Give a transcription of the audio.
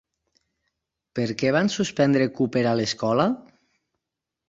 Per què van suspendre Cooper a l'escola?